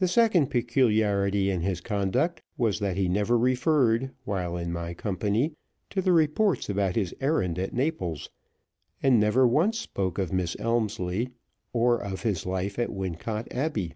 The second peculiarity in his conduct was that he never referred, while in my company, to the reports about his errand at Naples, and never once spoke of Miss Elmslie, or of his life at Wincot Abbey.